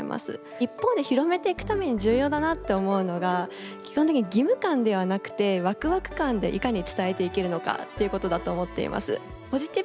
一方で広めていくために重要だなって思うのが基本的に義務感ではなくてワクワク感でいかに伝えていけるのかっていうことだと思っています。